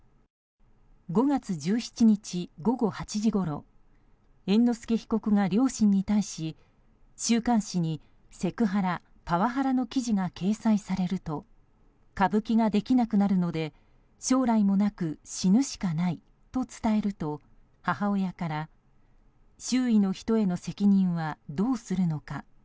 ５月１７日午後８時ごろ猿之助被告が両親に対し週刊誌に、セクハラ・パワハラの記事が掲載されると歌舞伎ができなくなるので将来もなく死ぬしかないと伝えると母親から、周囲の人への責任はどうするのか。